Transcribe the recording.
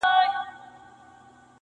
• په څو څو ځله تېر سوم -